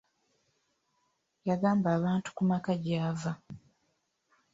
Yagamba abantu ku maka gy'ava.